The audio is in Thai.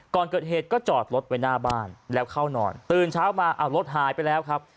ก่อนเกิดเหตุก็จอดรถไว้หน้าบ้านแล้วเข้านอนตื่นเช้ามาเอารถหายไปแล้วครับ